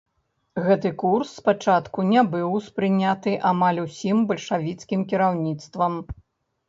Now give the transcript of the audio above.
Гэты курс спачатку не быў успрыняты амаль усім бальшавіцкім кіраўніцтвам.